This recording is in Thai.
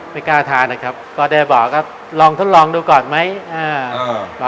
ไม่กล้าทานนะครับก็ได้บอกครับลองทดลองดูก่อนไหมอ่า